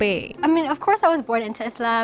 maksud saya tentu saja saya dilahirkan menjadi muslim